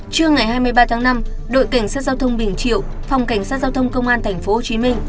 trưa ngày hai mươi ba tháng năm đội cảnh sát giao thông bình triệu phòng cảnh sát giao thông công an tp hcm